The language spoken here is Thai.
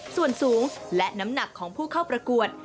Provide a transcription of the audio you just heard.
ส่วนสูงและน้ำหนักของผู้เข้าประกวด